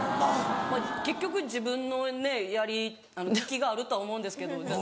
結局自分のね利きがあるとは思うんですけど。